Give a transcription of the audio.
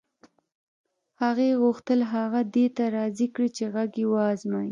هغې غوښتل هغه دې ته راضي کړي چې غږ یې و ازمایي